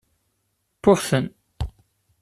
Wwiɣ-ten.